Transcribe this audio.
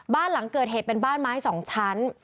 บ้านหลังเกิดเหตุเป็นบ้านไม้๒ชั้น